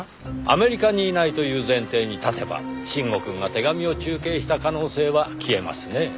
アメリカにいないという前提に立てば臣吾くんが手紙を中継した可能性は消えますねぇ。